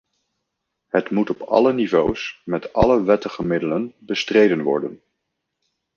Het moet op alle niveaus, met alle wettige middelen bestreden worden.